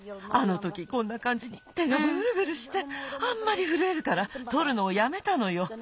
あのときこんなかんじに手がブルブルしてあんまりふるえるからとるのをやめたのよ。